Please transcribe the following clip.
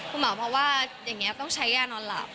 คุณหมอเพราะว่าอย่างนี้ต้องใช้ยานอนหลับ